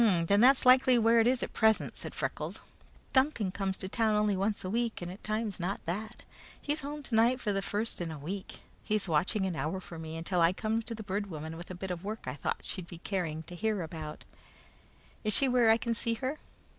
"Then that's likely where it is at present," said Freckles. "Duncan comes to town only once a week, and at times not that. He's home tonight for the first in a week. He's watching an hour for me until I come to the Bird Woman with a bit of work I thought she'd be caring to hear about bad. Is she where I can see her?"